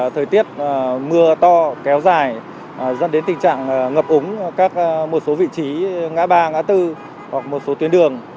thời tiết mưa to kéo dài dẫn đến tình trạng ngập ống một số vị trí ngã ba ngã tư hoặc một số tuyến đường